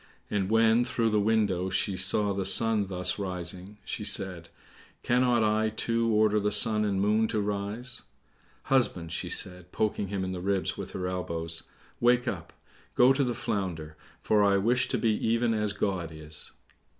And when, through the window, she saw the sun thus rising, she said, "Cannot I, too, order the sun and moon to rise?" "Husband," she said, poking him in the ribs with her elbows, "wake up! go to the Flounder, for I wish to be even as God is."